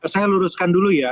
saya luruskan dulu ya